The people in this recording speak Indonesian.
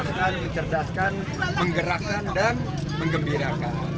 dengan mencerdaskan menggerakkan dan mengembirakan